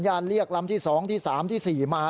แล้วก็เรียกเพื่อนมาอีก๓ลำ